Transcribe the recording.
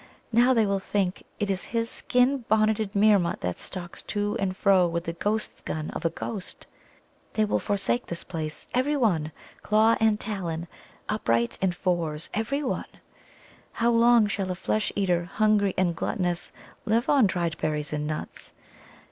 Now they will think it is his skin bonneted Meermut that stalks to and fro with the ghost gun of a ghost. They will forsake this place, every one claw and talon, upright and fours, every one. How long shall a flesh eater, hungry and gluttonous, live on dried berries and nuts?